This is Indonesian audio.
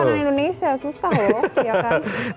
soalnya kan makanan indonesia susah loh